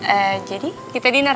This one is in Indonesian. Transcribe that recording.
eh jadi kita diner